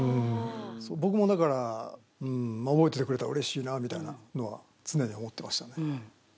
僕もだから、覚えててくれたらうれしいなみたいなのは、常に思ってましたね。